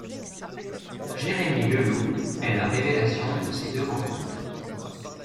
Jérémy Leloup est la révélation de ces deux rencontres.